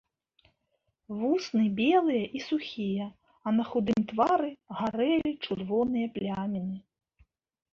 Вусны белыя і сухія, а на худым твары гарэлі чырвоныя пляміны.